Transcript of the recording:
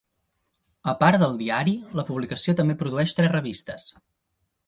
A part del diari, la publicació també produeix tres revistes.